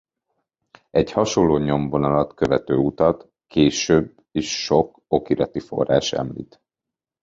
Egy hasonló nyomvonalat követő utat később is sok okirati forrás említ.